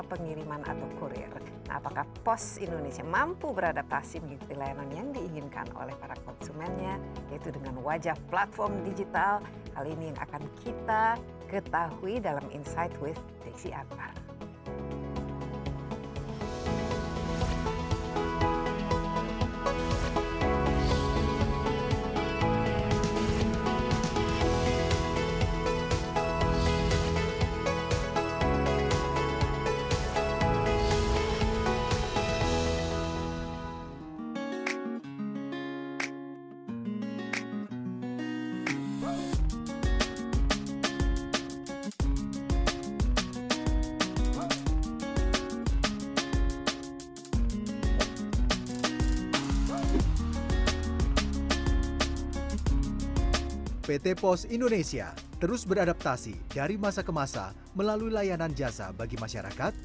pt pos indonesia terus beradaptasi dari masa ke masa melalui layanan jasa bagi masyarakat